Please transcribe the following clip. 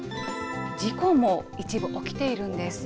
事故も一部起きているんです。